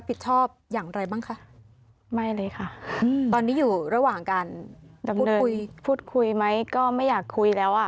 พูดคุยไหมก็ไม่อยากคุยแล้ว